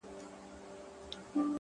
چي له ما تلې نو قدمونو کي کراره سوې